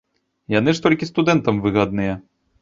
Яны ж толькі студэнтам выгадныя.